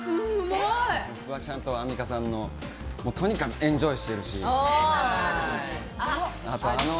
フワちゃんとアンミカさんのとにかくエンジョイしているシーン。